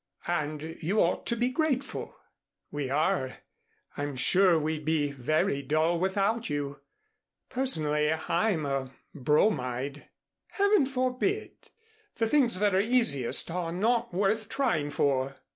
And you ought to be grateful." "We are. I'm sure we'd be very dull without you. Personally I'm a bromide." "Heaven forbid! The things that are easiest are not worth trying for.